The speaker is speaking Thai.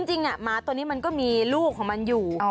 หมาตัวนี้มันก็มีลูกของมันอยู่